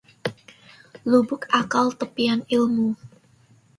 Lubuk akal tepian ilmu